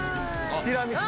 「ティラミスだ」